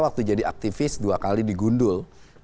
waktu jadi aktivis dua kali digundul